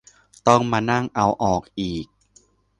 ต้องมานั่งเอาออกอีก